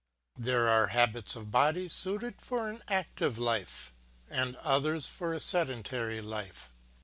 There are habits of body suited for an active life and others for a sedentary life.